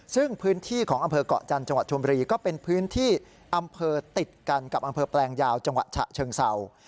ซึ่งพื้นที่ของอำเภอกเกาะจันทร์จังหวัดชมบุรีก็เป็นพื้นที่อำเภอติดกันกับอำเภอแปลงยาวจังหวัดฉะเชิงเศร้า